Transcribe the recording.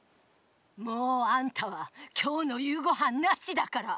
もうあんたは今日の夕ごはんなしだから！